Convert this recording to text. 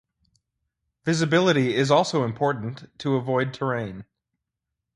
Visibility is also important to avoid terrain.